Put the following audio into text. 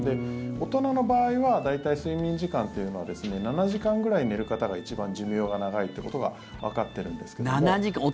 大人の場合は大体、睡眠時間というのは７時間ぐらい寝る方が一番寿命が長いということがわかってるんですけども。